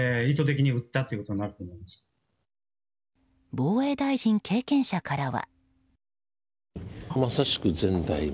防衛大臣経験者からは。